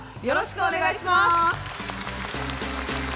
よろしくお願いします。